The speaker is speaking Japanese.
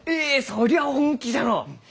そりゃあ本気じゃのう！